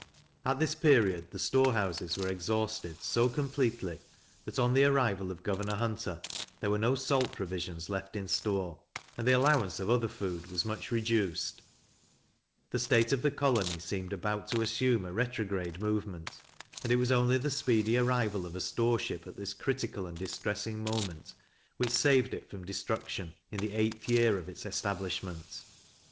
At this period the storehouses were exhausted so completely, that, on the arrival of Governor Hunter, there were no salt provisions left in store, and the allowance of other food was much reduced; the state of the colony seemed about to assume a retrograde movement, and it was only the speedy arrival of a storeship at this critical and distressing moment, which saved it from destruction, in the eighth year of its establishment.